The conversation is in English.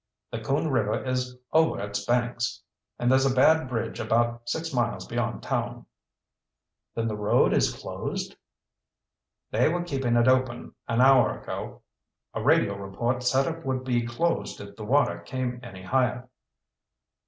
The Coon River is over its banks, and there's a bad bridge about six miles beyond town." "Then the road is closed?" "They were keeping it open an hour ago. A radio report said it would be closed if the water came any higher."